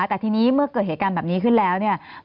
แต่ทีนี้เมื่อเกิดเหตุการณ์แบบนี้ขึ้นแล้วเนี่ย